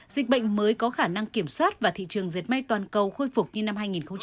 dịch bệnh mới có khả năng kiểm soát và thị trường dẹp may toàn cầu khôi phục như năm hai nghìn một mươi chín